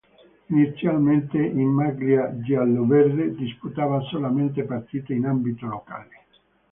Inizialmente in maglia giallo-verde, disputava solamente partite in ambito locale.